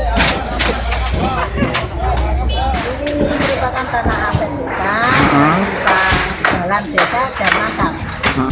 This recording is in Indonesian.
ini merupakan tanah abed kita kita dalam desa dan masak